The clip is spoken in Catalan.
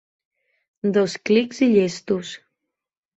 Dos clics i llestos.